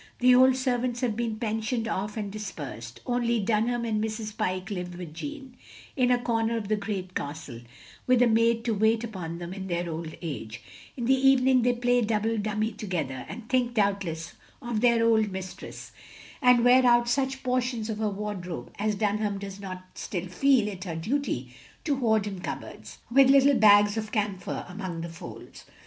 The old servants have been pensioned off and dispersed; only Dunham and Mrs. Pyke live with Jeanne, in a comer of the great castle, with a msiid to wait upon them in their old age; in the evening they play double dummy together, and think, doubtless, of their old mistress; and OP GROSVENOR SQUARE 387 wear out such portions of her wardrobe as Dun ham does not still feel it her duty to hoard in cupboards, with little bags of camphor among the folds.